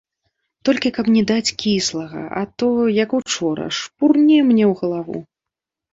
Толькі каб не даць кіслага, а то, як учора, шпурне мне ў галаву.